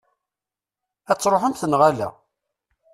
Ad truḥemt, neɣ ala?